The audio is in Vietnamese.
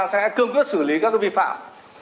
sẽ cương quyết xử lý các cái vi phạm